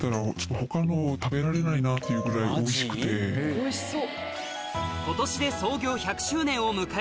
おいしそう。